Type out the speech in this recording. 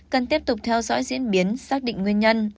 cần tiếp tục theo dõi diễn biến xác định nguyên nhân